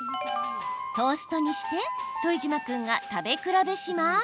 トーストにして副島君が食べ比べします。